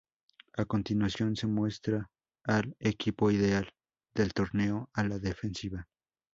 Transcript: A continuación se muestra al "Equipo ideal" del torneo a la defensiva.